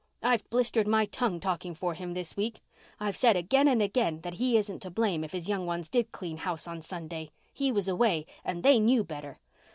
I've blistered my tongue talking for him this week. I've said again and again that he isn't to blame if his young ones did clean house on Sunday. He was away—and they knew better."